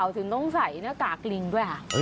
ถึงต้องใส่นักจากริงด้วย